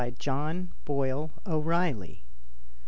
John Boyle O'Reilly.